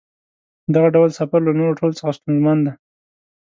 دغه ډول سفر له نورو ټولو څخه ستونزمن دی.